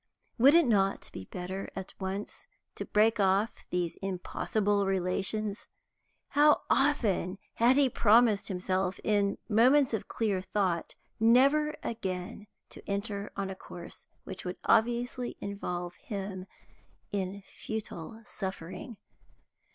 Would it not be better at once to break off these impossible relations? How often he had promised himself, in moments of clear thought, never again to enter on a course which would obviously involve him in futile suffering.